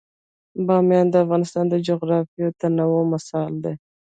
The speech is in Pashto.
بامیان د افغانستان د جغرافیوي تنوع مثال دی.